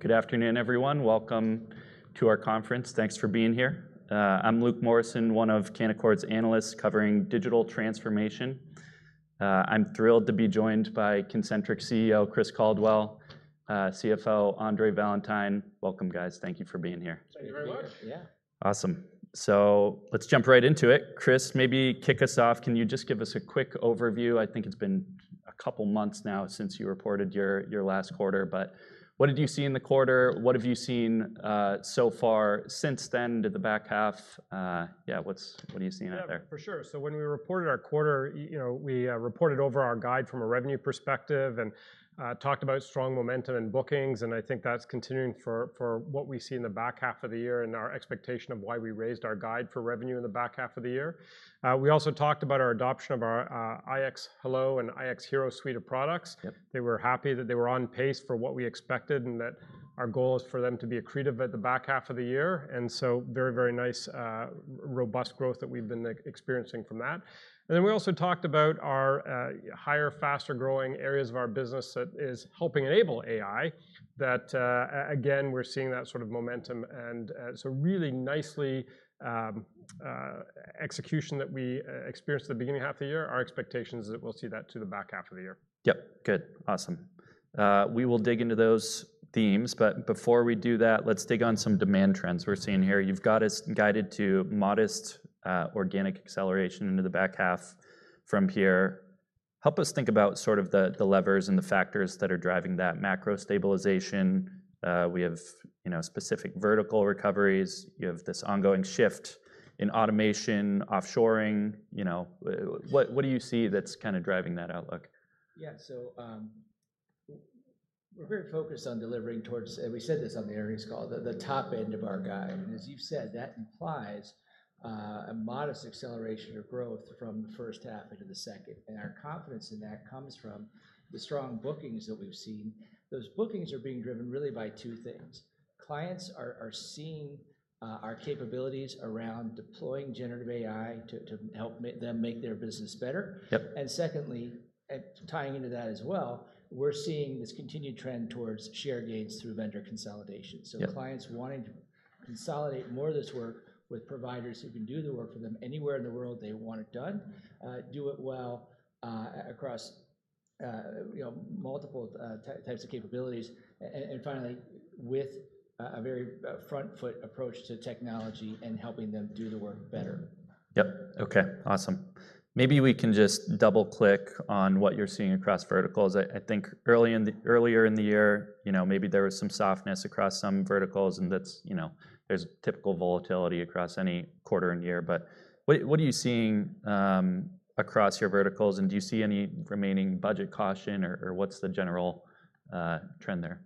Good afternoon, everyone. Welcome to our conference. Thanks for being here. I'm Luke Morrison, one of Canaccord's analysts covering digital transformation. I'm thrilled to be joined by Concentrix CEO Chris Caldwell and CFO Andre Valentine. Welcome, guys. Thank you for being here. Thank you very much. Yeah. Awesome. Let's jump right into it. Chris, maybe kick us off. Can you just give us a quick overview? I think it's been a couple of months now since you reported your last quarter, but what did you see in the quarter? What have you seen so far since then to the back half? Yeah, what are you seeing out there? For sure. When we reported our quarter, we reported over our guide from a revenue perspective and talked about strong momentum in bookings. I think that's continuing for what we see in the back half of the year and our expectation of why we raised our guide for revenue in the back half of the year. We also talked about our adoption of our iX Hello and iX Hero suite of products. They were happy that they were on pace for what we expected and that our goal is for them to be accretive at the back half of the year. Very, very nice, robust growth that we've been experiencing from that. We also talked about our higher, faster growing areas of our business that are helping enable AI that, again, we're seeing that sort of momentum, so really nicely, execution that we experienced at the beginning half of the year. Our expectation is that we'll see that to the back half of the year. Yeah. Good. Awesome. We will dig into those themes, but before we do that, let's dig on some demand trends we're seeing here. You've got us guided to modest, organic acceleration into the back half from here. Help us think about sort of the levers and the factors that are driving that macro stabilization. We have, you know, specific vertical recoveries. You have this ongoing shift in automation, offshoring. You know, what do you see that's kind of driving that outlook? Yeah. We're very focused on delivering towards, and we said this on the earnings call, the top end of our guide. As you've said, that implies a modest acceleration or growth from the first half into the second. Our confidence in that comes from the strong bookings that we've seen. Those bookings are being driven really by two things. Clients are seeing our capabilities around deploying generative AI to help them make their business better. Secondly, tying into that as well, we're seeing this continued trend towards share gains through vendor consolidation. Clients want to consolidate more of this work with providers who can do the work for them anywhere in the world they want it done, do it well, across multiple types of capabilities. Finally, with a very front-foot approach to technology and helping them do the work better. Okay. Awesome. Maybe we can just double-click on what you're seeing across verticals. I think earlier in the year, you know, maybe there was some softness across some verticals, and that's, you know, there's typical volatility across any quarter and year. What are you seeing across your verticals? Do you see any remaining budget caution or what's the general trend there?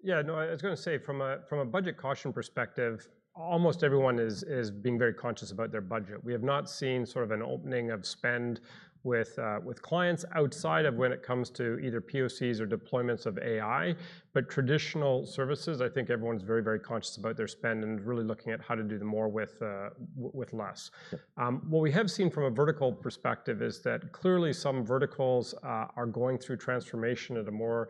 Yeah. No, I was going to say from a budget caution perspective, almost everyone is being very conscious about their budget. We have not seen an opening of spend with clients outside of when it comes to either POCs or deployments of AI. Traditional services, I think everyone's very, very conscious about their spend and really looking at how to do more with less. What we have seen from a vertical perspective is that clearly some verticals are going through transformation at a more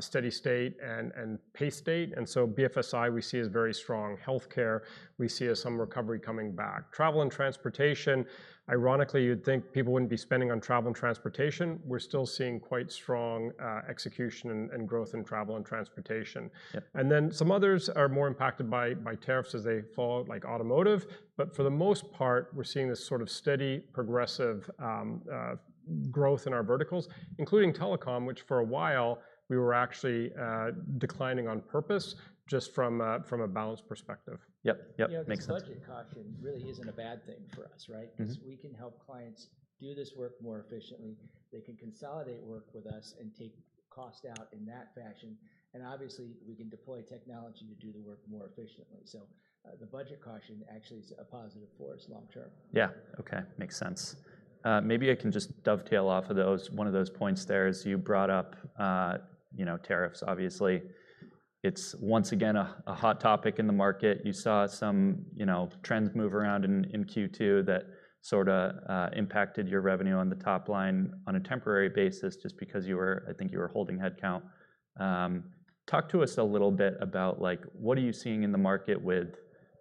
steady state and pace. BFSI we see is very strong. Healthcare, we see some recovery coming back. Travel and transportation, ironically, you'd think people wouldn't be spending on travel and transportation. We're still seeing quite strong execution and growth in travel and transportation. Some others are more impacted by tariffs as they fall, like automotive. For the most part, we're seeing this steady, progressive growth in our verticals, including telecom, which for a while we were actually declining on purpose just from a balance perspective. Yeah. The budget caution really isn't a bad thing for us, right? Because we can help clients do this work more efficiently. They can consolidate work with us and take cost out in that fashion. Obviously, we can deploy technology to do the work more efficiently. The budget caution actually is a positive for us long term. Yeah. Okay. Makes sense. Maybe I can just dovetail off of one of those points. You brought up, you know, tariffs, obviously. It's once again a hot topic in the market. You saw some trends move around in Q2 that impacted your revenue on the top line on a temporary basis just because you were, I think you were holding headcount. Talk to us a little bit about what are you seeing in the market with,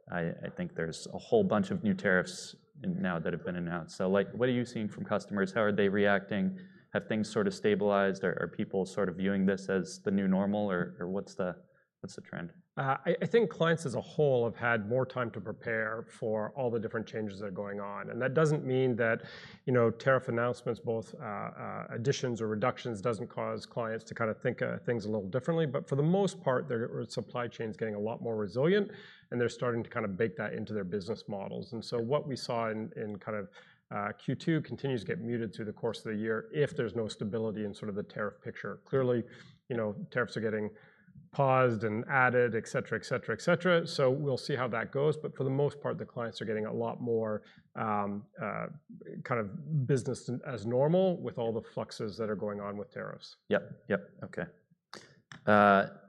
I think there's a whole bunch of new tariffs now that have been announced. What are you seeing from customers? How are they reacting? Have things sort of stabilized? Are people sort of viewing this as the new normal or what's the trend? I think clients as a whole have had more time to prepare for all the different changes that are going on. That doesn't mean that, you know, tariff announcements, both additions or reductions, don't cause clients to kind of think of things a little differently. For the most part, their supply chain is getting a lot more resilient and they're starting to kind of bake that into their business models. What we saw in Q2 continues to get muted through the course of the year if there's no stability in the tariff picture. Clearly, you know, tariffs are getting paused and added, et cetera, et cetera, et cetera. We'll see how that goes. For the most part, the clients are getting a lot more kind of business as normal with all the fluxes that are going on with tariffs. Yeah. Yeah. Okay,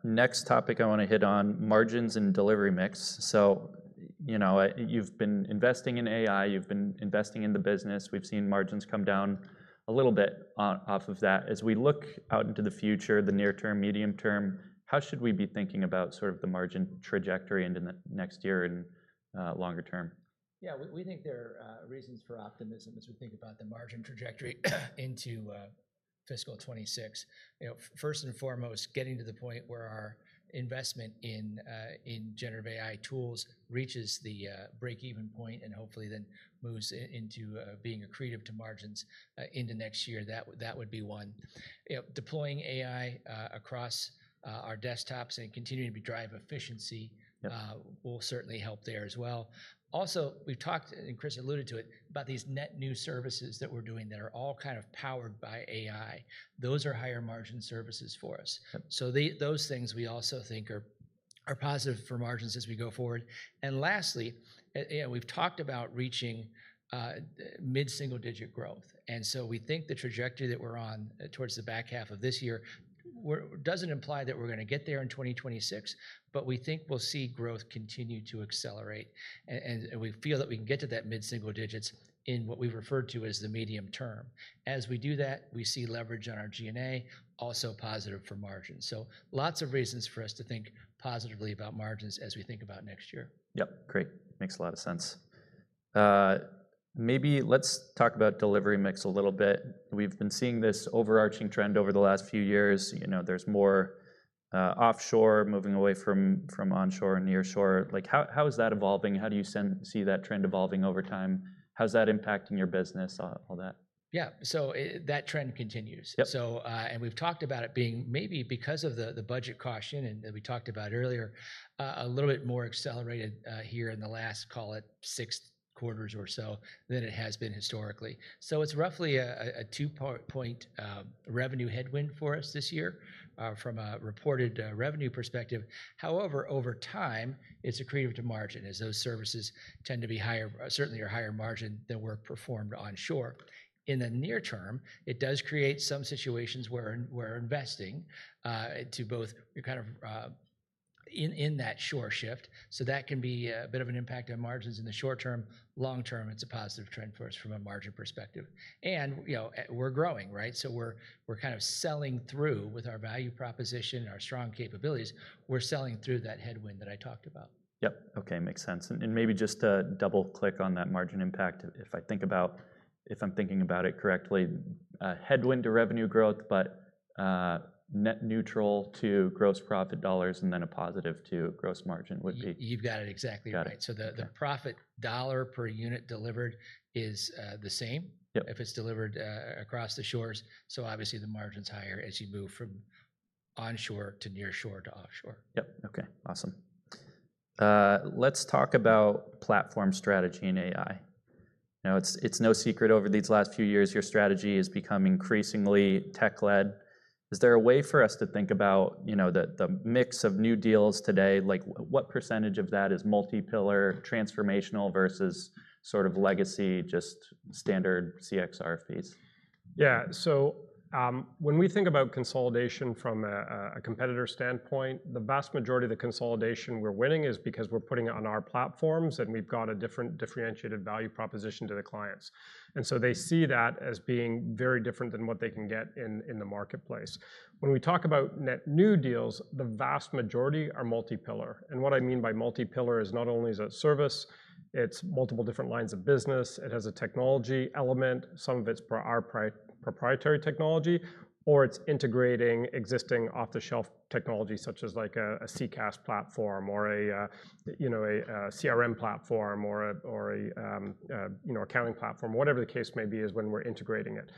next topic, I want to hit on margins and delivery mix. You know, you've been investing in AI, you've been investing in the business. We've seen margins come down a little bit off of that. As we look out into the future, the near term, medium term, how should we be thinking about sort of the margin trajectory into the next year and longer term? Yeah, we think there are reasons for optimism as we think about the margin trajectory into fiscal 2026. First and foremost, getting to the point where our investment in generative AI tools reaches the break-even point and hopefully then moves into being accretive to margins into next year. That would be one. Deploying AI across our desktops and continuing to drive efficiency will certainly help there as well. Also, we've talked, and Chris alluded to it, about these net new services that we're doing that are all kind of powered by AI. Those are higher-margin services for us. Those things we also think are positive for margins as we go forward. Lastly, we've talked about reaching mid-single-digit growth. We think the trajectory that we're on towards the back half of this year doesn't imply that we're going to get there in 2026, but we think we'll see growth continue to accelerate. We feel that we can get to that mid-single digits in what we've referred to as the medium term. As we do that, we see leverage on our G&A also positive for margins. Lots of reasons for us to think positively about margins as we think about next year. Yeah. Great. Makes a lot of sense. Maybe let's talk about delivery mix a little bit. We've been seeing this overarching trend over the last few years. You know, there's more offshore moving away from onshore and nearshore. How is that evolving? How do you see that trend evolving over time? How's that impacting your business, all that? Yeah. That trend continues, and we've talked about it being maybe because of the budget caution that we talked about earlier, a little bit more accelerated here in the last, call it, six quarters or so than it has been historically. It's roughly a two part point revenue headwind for us this year from a reported revenue perspective. However, over time, it's accretive to margin as those services tend to be higher, certainly a higher margin than were performed onshore. In the near term, it does create some situations where we're investing to both kind of, in that shore shift. That can be a bit of an impact on margins in the short term. Long term, it's a positive trend for us from a margin perspective. You know, we're growing, right? We're kind of selling through with our value proposition and our strong capabilities. We're selling through that headwind that I talked about. Okay. Makes sense. Maybe just to double-click on that margin impact, if I'm thinking about it correctly, a headwind to revenue growth, but net neutral to gross profit dollars and then a positive to gross margin would be. You've got it exactly right. The profit dollar per unit delivered is the same if it's delivered across the shores. Obviously, the margin's higher as you move from onshore to nearshore to offshore. Yeah. Okay. Awesome. Let's talk about platform strategy and AI. Now, it's no secret over these last few years, your strategy has become increasingly tech-led. Is there a way for us to think about, you know, the mix of new deals today? Like, what % of that is multi-pillar transformational versus sort of legacy, just standard CXR fees? Yeah. When we think about consolidation from a competitor's standpoint, the vast majority of the consolidation we're winning is because we're putting it on our platforms, and we've got a differentiated value proposition to the clients. They see that as being very different than what they can get in the marketplace. When we talk about net new deals, the vast majority are multi-pillar. What I mean by multi-pillar is not only is it a service, it's multiple different lines of business. It has a technology element. Some of it's our proprietary technology, or it's integrating existing off-the-shelf technology such as a CCaaS platform or a CRM platform or an accounting platform, whatever the case may be when we're integrating it.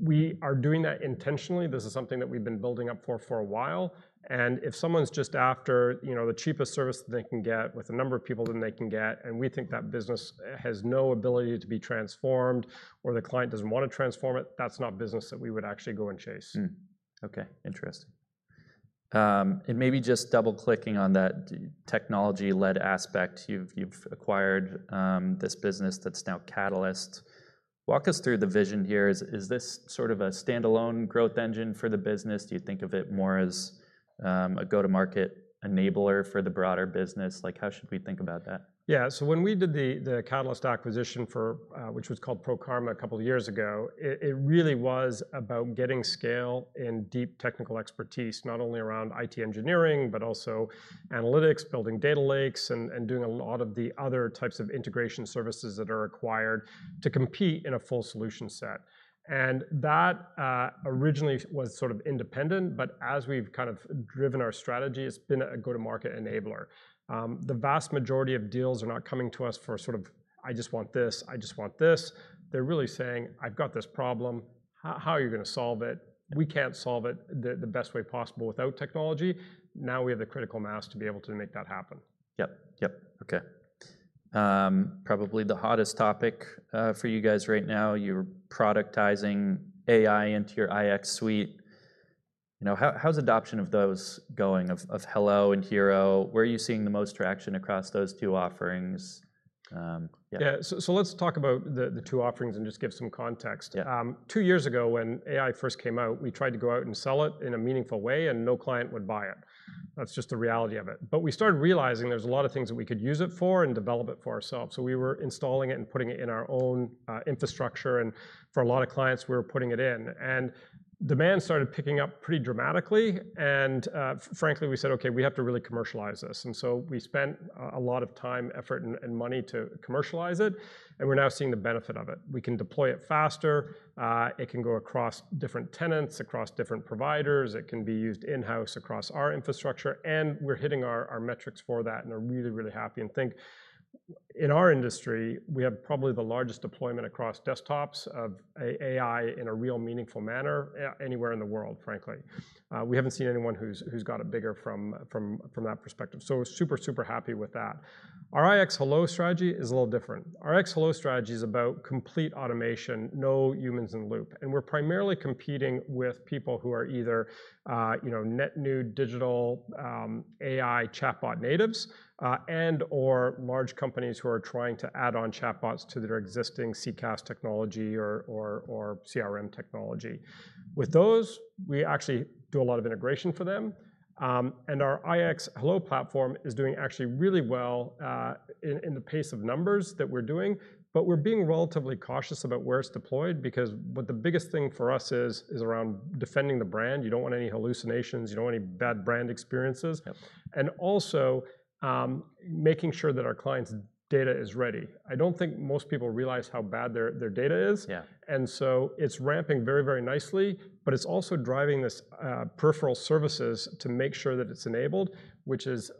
We are doing that intentionally. This is something that we've been building up for a while. If someone's just after the cheapest service that they can get with the number of people that they can get, and we think that business has no ability to be transformed or the client doesn't want to transform it, that's not business that we would actually go and chase. Okay. Interesting. Maybe just double-clicking on that technology-led aspect, you've acquired this business that's now Catalyst. Walk us through the vision here. Is this sort of a standalone growth engine for the business? Do you think of it more as a go-to-market enabler for the broader business? How should we think about that? Yeah. When we did the Catalyst acquisition, which was called ProKarma a couple of years ago, it really was about getting scale and deep technical expertise, not only around IT engineering, but also analytics, building data lakes, and doing a lot of the other types of integration services that are required to compete in a full solution set. That originally was sort of independent, but as we've kind of driven our strategy, it's been a go-to-market enabler. The vast majority of deals are not coming to us for sort of, "I just want this. I just want this." They're really saying, "I've got this problem. How are you going to solve it? We can't solve it the best way possible without technology." Now we have the critical mass to be able to make that happen. Okay, probably the hottest topic for you guys right now, you're productizing AI into your iX suite. You know, how's adoption of those going of Hello and Hero? Where are you seeing the most traction across those two offerings? Yeah. Let's talk about the two offerings and just give some context. Two years ago, when AI first came out, we tried to go out and sell it in a meaningful way and no client would buy it. That's just the reality of it. We started realizing there's a lot of things that we could use it for and develop it for ourselves. We were installing it and putting it in our own infrastructure. For a lot of clients, we were putting it in, and demand started picking up pretty dramatically. Frankly, we said, "Okay, we have to really commercialize this." We spent a lot of time, effort, and money to commercialize it. We're now seeing the benefit of it. We can deploy it faster. It can go across different tenants, across different providers. It can be used in-house across our infrastructure. We're hitting our metrics for that and are really, really happy. In our industry, we have probably the largest deployment across desktops of AI in a real meaningful manner anywhere in the world, frankly. We haven't seen anyone who's got it bigger from that perspective. We're super, super happy with that. Our iX Hello strategy is a little different. Our iX Hello strategy is about complete automation, no humans in loop. We're primarily competing with people who are either, you know, net new digital, AI chatbot natives, and/or large companies who are trying to add on chatbots to their existing CCaaS technology or CRM technology. With those, we actually do a lot of integration for them, and our iX Hello platform is doing actually really well in the pace of numbers that we're doing. We're being relatively cautious about where it's deployed because the biggest thing for us is around defending the brand. You don't want any hallucinations. You don't want any bad brand experiences. Also, making sure that our clients' data is ready. I don't think most people realize how bad their data is. It's ramping very, very nicely, but it's also driving this, peripheral services to make sure that it's enabled, which is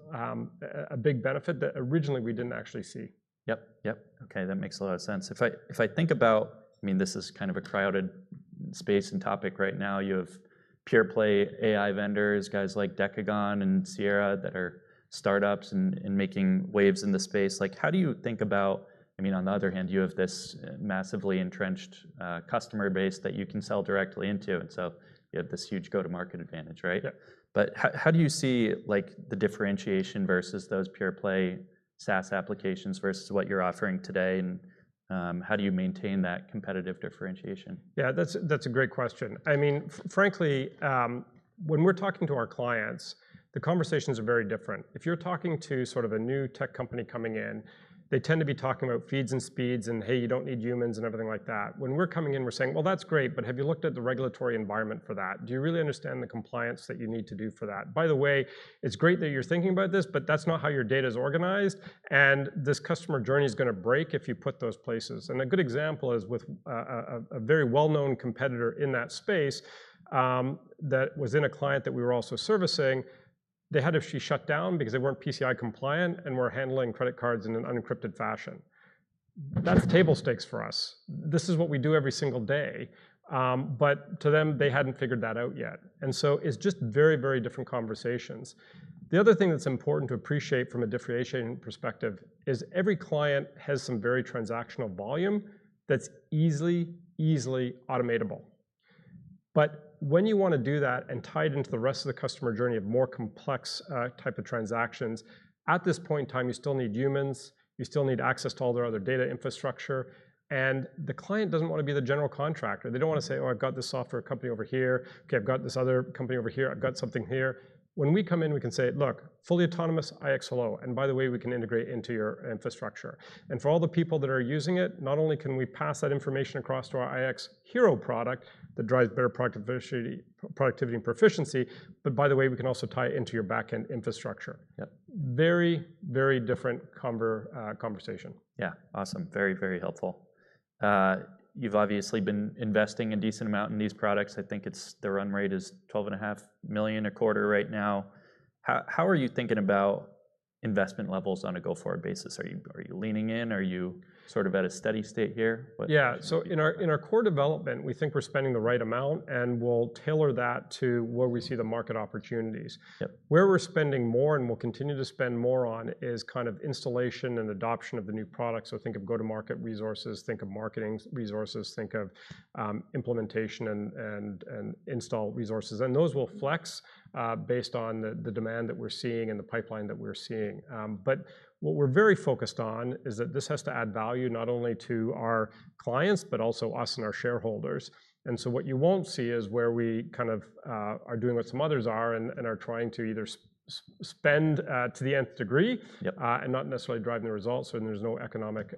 a big benefit that originally we didn't actually see. Yep. Yep. Okay. That makes a lot of sense. If I think about, I mean, this is kind of a crowded space and topic right now. You have pure-play AI vendors, guys like Decagon and Sierra that are startups and making waves in the space. How do you think about, I mean, on the other hand, you have this massively entrenched customer base that you can sell directly into. You have this huge go-to-market advantage, right? How do you see the differentiation versus those pure-play SaaS applications versus what you're offering today? How do you maintain that competitive differentiation? Yeah, that's a great question. Frankly, when we're talking to our clients, the conversations are very different. If you're talking to sort of a new tech company coming in, they tend to be talking about feeds and speeds and, hey, you don't need humans and everything like that. When we're coming in, we're saying, that's great, but have you looked at the regulatory environment for that? Do you really understand the compliance that you need to do for that? By the way, it's great that you're thinking about this, but that's not how your data is organized. This customer journey is going to break if you put those places. A good example is with a very well-known competitor in that space, that was in a client that we were also servicing. They had to shut down because they weren't PCI compliant and were handling credit cards in an unencrypted fashion. That's table stakes for us. This is what we do every single day, but to them, they hadn't figured that out yet. It's just very, very different conversations. The other thing that's important to appreciate from a differentiation perspective is every client has some very transactional volume that's easily, easily automatable. When you want to do that and tie it into the rest of the customer journey of more complex type of transactions, at this point in time, you still need humans. You still need access to all their other data infrastructure. The client doesn't want to be the general contractor. They don't want to say, oh, I've got this software company over here. Okay, I've got this other company over here. I've got something here. When we come in, we can say, look, fully autonomous iX Hello. By the way, we can integrate into your infrastructure. For all the people that are using it, not only can we pass that information across to our iX Hero product that drives better productivity and proficiency, but by the way, we can also tie it into your backend infrastructure. Very, very different conversation. Yeah. Awesome. Very, very helpful. You've obviously been investing a decent amount in these products. I think the run rate is $12.5 million a quarter right now. How are you thinking about investment levels on a go-forward basis? Are you leaning in? Are you sort of at a steady state here? Yeah. In our core development, we think we're spending the right amount and we'll tailor that to where we see the market opportunities. Where we're spending more and will continue to spend more is installation and adoption of the new products. Think of go-to-market resources, think of marketing resources, think of implementation and install resources. Those will flex based on the demand that we're seeing and the pipeline that we're seeing. What we're very focused on is that this has to add value not only to our clients, but also us and our shareholders. What you won't see is where we are doing what some others are and are trying to either spend to the nth degree and not necessarily driving the results, so there's no economic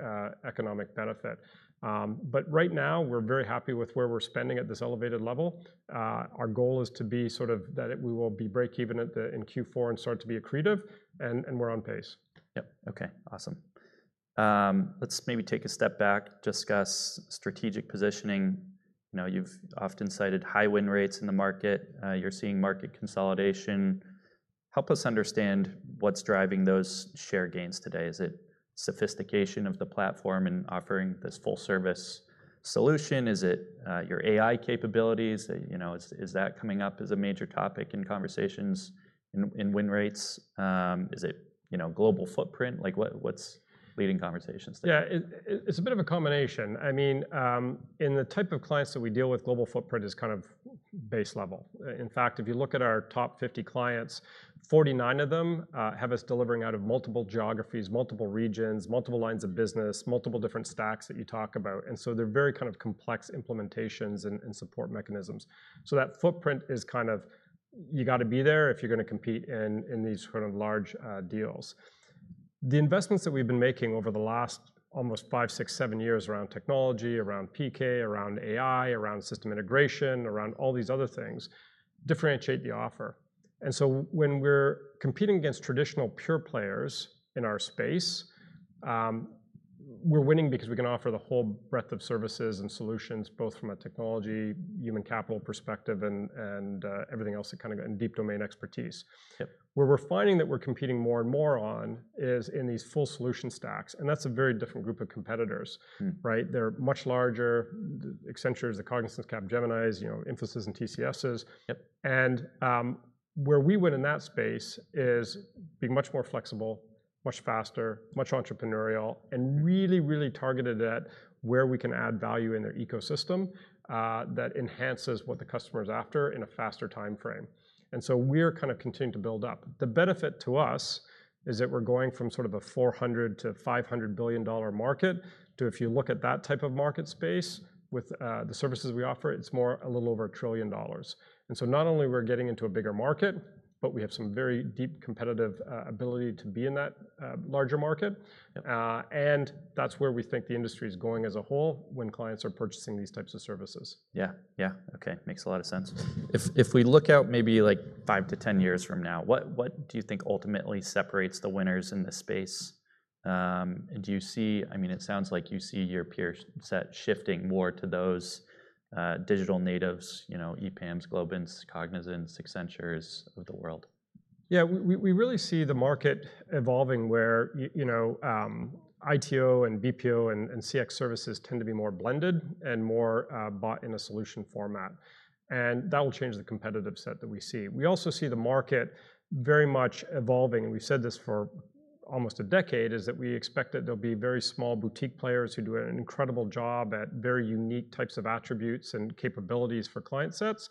benefit. Right now, we're very happy with where we're spending at this elevated level. Our goal is to be sort of that we will be break-even in Q4 and start to be accretive, and we're on pace. Yeah. Okay. Awesome. Let's maybe take a step back, discuss strategic positioning. You know, you've often cited high win rates in the market. You're seeing market consolidation. Help us understand what's driving those share gains today. Is it sophistication of the platform and offering this full-service solution? Is it your AI capabilities? You know, is that coming up as a major topic in conversations in win rates? Is it, you know, global footprint? Like, what's leading conversations there? Yeah, it's a bit of a combination. I mean, in the type of clients that we deal with, global footprint is kind of base level. In fact, if you look at our top 50 clients, 49 of them have us delivering out of multiple geographies, multiple regions, multiple lines of business, multiple different stacks that you talk about. They're very kind of complex implementations and support mechanisms. That footprint is kind of, you got to be there if you're going to compete in these sort of large deals. The investments that we've been making over the last almost five, six, seven years around technology, around Catalyst, around AI, around system integration, around all these other things differentiate the offer. When we're competing against traditional pure-play AI vendors in our space, we're winning because we can offer the whole breadth of services and solutions, both from a technology, human capital perspective, and everything else, that kind of deep domain expertise. Where we're finding that we're competing more and more on is in these full solution stacks. That's a very different group of competitors, right? They're much larger. Accenture is the Cognizants, Capgemini, Infosys, and TCSs. Where we win in that space is being much more flexible, much faster, much entrepreneurial, and really, really targeted at where we can add value in their ecosystem, that enhances what the customer is after in a faster timeframe. We're kind of continuing to build up. The benefit to us is that we're going from sort of a $400 billion - $500 billion market to, if you look at that type of market space with the services we offer, it's more a little over a trillion dollars. Not only are we getting into a bigger market, but we have some very deep competitive ability to be in that larger market. That's where we think the industry is going as a whole when clients are purchasing these types of services. Yeah. Okay. Makes a lot of sense. If we look out maybe like five to 10 years from now, what do you think ultimately separates the winners in this space, and do you see, I mean, it sounds like you see your peer set shifting more to those digital natives, you know, EPAMs, Globants, Cognizants, Accentures of the world. Yeah, we really see the market evolving where, you know, ITO and BPO and CX services tend to be more blended and more bought in a solution format. That will change the competitive set that we see. We also see the market very much evolving. We've said this for almost a decade, that we expect that there'll be very small boutique players who do an incredible job at very unique types of attributes and capabilities for client sets.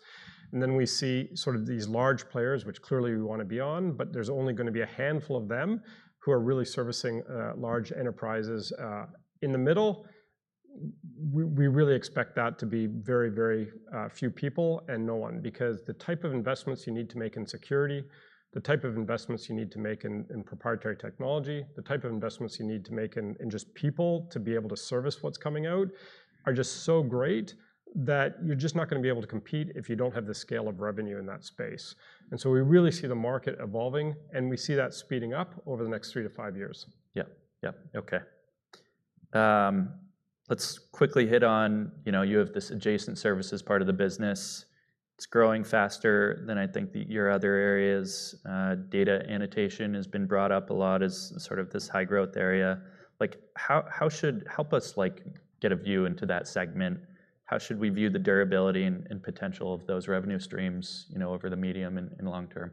We see sort of these large players, which clearly we want to be on, but there's only going to be a handful of them who are really servicing large enterprises. In the middle, we really expect that to be very, very few people and no one because the type of investments you need to make in security, the type of investments you need to make in proprietary technology, the type of investments you need to make in just people to be able to service what's coming out are just so great that you're just not going to be able to compete if you don't have the scale of revenue in that space. We really see the market evolving, and we see that speeding up over the next three to five years. Yeah. Yeah. Okay. Let's quickly hit on, you know, you have this adjacent services part of the business. It's growing faster than I think that your other areas. Data annotation has been brought up a lot as sort of this high growth area. Like, how should help us get a view into that segment? How should we view the durability and potential of those revenue streams, you know, over the medium and long term?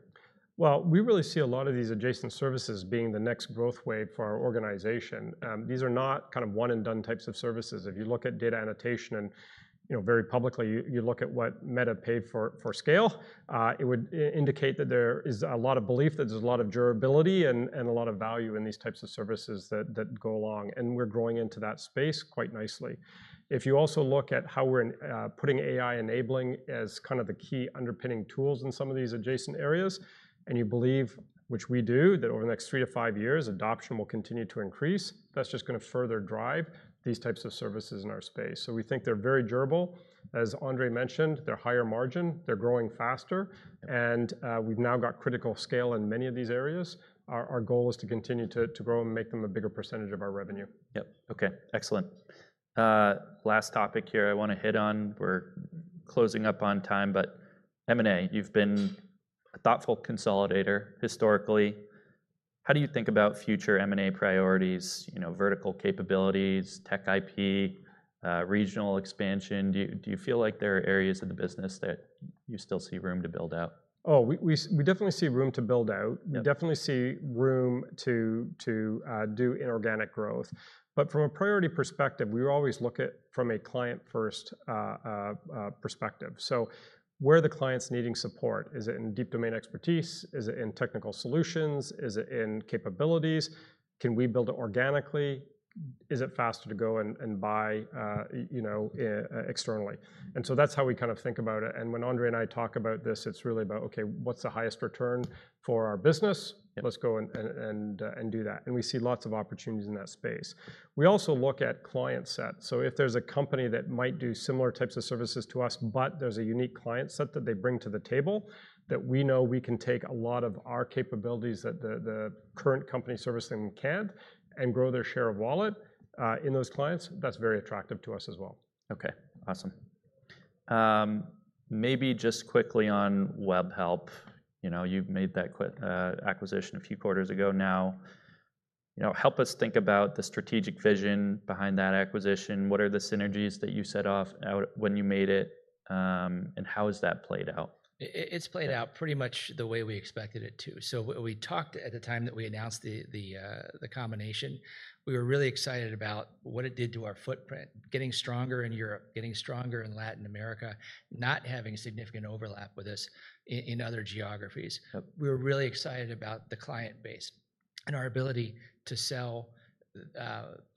We really see a lot of these adjacent services being the next growth wave for our organization. These are not kind of one-and-done types of services. If you look at data annotation and, you know, very publicly, you look at what Meta paid for Scale, it would indicate that there is a lot of belief that there's a lot of durability and a lot of value in these types of services that go along. We're growing into that space quite nicely. If you also look at how we're putting AI enabling as kind of the key underpinning tools in some of these adjacent areas, and you believe, which we do, that over the next three to five years, adoption will continue to increase, that's just going to further drive these types of services in our space. We think they're very durable. As Andre mentioned, they're higher margin. They're growing faster. We've now got critical scale in many of these areas. Our goal is to continue to grow and make them a bigger percentage of our revenue. Yep. Okay. Excellent. Last topic here I want to hit on. We're closing up on time, but M&A, you've been a thoughtful consolidator historically. How do you think about future M&A priorities, you know, vertical capabilities, tech IP, regional expansion? Do you feel like there are areas of the business that you still see room to build out? We definitely see room to build out. We definitely see room to do inorganic growth. From a priority perspective, we always look at it from a client-first perspective. Where are the clients needing support? Is it in deep domain expertise? Is it in technical solutions? Is it in capabilities? Can we build it organically? Is it faster to go and buy externally? That's how we kind of think about it. When Andre and I talk about this, it's really about, okay, what's the highest return for our business? Let's go and do that. We see lots of opportunities in that space. We also look at client sets. If there's a company that might do similar types of services to us, but there's a unique client set that they bring to the table that we know we can take a lot of our capabilities that the current company servicing can't and grow their share of wallet in those clients, that's very attractive to us as well. Okay. Awesome. Maybe just quickly on Webhelp. You know, you made that acquisition a few quarters ago now. You know, help us think about the strategic vision behind that acquisition. What are the synergies that you set off when you made it, and how has that played out? It's played out pretty much the way we expected it to. We talked at the time that we announced the combination. We were really excited about what it did to our footprint, getting stronger in Europe, getting stronger in Latin America, not having significant overlap with us in other geographies. We were really excited about the client base and our ability to sell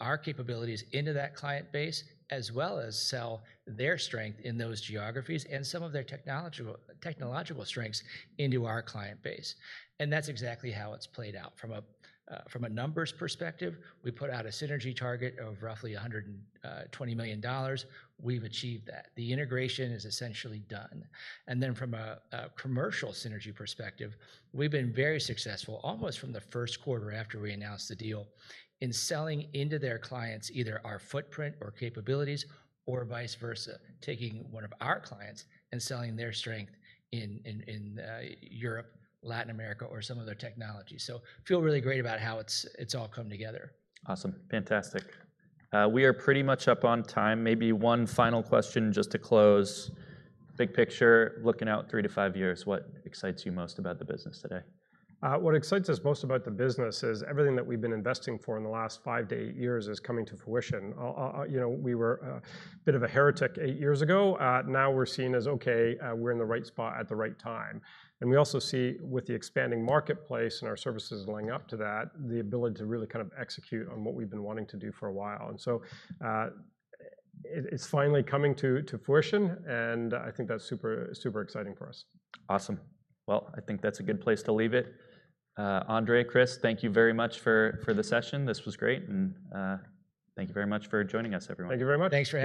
our capabilities into that client base, as well as sell their strength in those geographies and some of their technological strengths into our client base. That's exactly how it's played out. From a numbers perspective, we put out a synergy target of roughly $120 million. We've achieved that. The integration is essentially done. From a commercial synergy perspective, we've been very successful almost from the first quarter after we announced the deal in selling into their clients either our footprint or capabilities or vice versa, taking one of our clients and selling their strength in Europe, Latin America, or some of their technology. I feel really great about how it's all come together. Awesome. Fantastic. We are pretty much up on time. Maybe one final question just to close. Big picture, looking out three to five years, what excites you most about the business today? What excites us most about the business is everything that we've been investing for in the last five to eight years is coming to fruition. We were a bit of a heretic eight years ago. Now we're seeing as, okay, we're in the right spot at the right time. We also see with the expanding marketplace and our services laying up to that, the ability to really kind of execute on what we've been wanting to do for a while. It's finally coming to fruition. I think that's super, super exciting for us. Awesome. I think that's a good place to leave it. Andre, Chris, thank you very much for the session. This was great, and thank you very much for joining us, everyone. Thank you very much. Thanks, Chris.